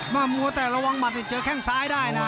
มัวแต่ระวังหมัดนี่เจอแข้งซ้ายได้นะ